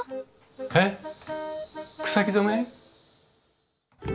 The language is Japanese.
えっ草木染め？